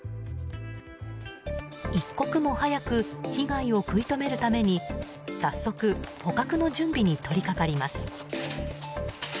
一刻も早く被害を食い止めるために早速、捕獲の準備に取り掛かります。